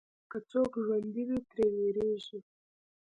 که څوک ژوندی وي، ترې وېرېږي.